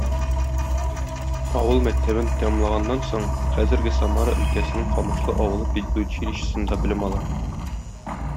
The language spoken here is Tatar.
Авыл мәктәбен тәмамлаганнан соң хәзерге Самара өлкәсенең Камышлы авылы педучилищесында белем ала.